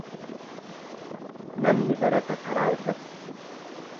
Namni barata karaa irratti.